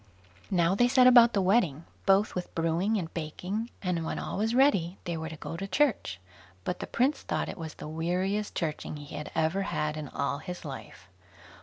Now they set about the wedding, both with brewing and baking; and when all was ready, they were to go to church; but the prince thought it the weariest churching he had ever had in all his life.